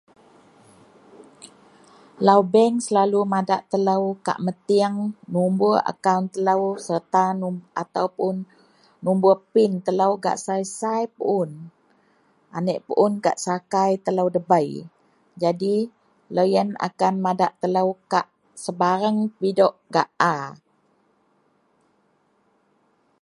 Lo bank selalu madak telo kak meting nobor akawon telo serta atau puon nobor pin telo gak sai-sai puon aniek puon gak sakai telo debei jadi loyen akan madak telo kak sebareng pidok gak a.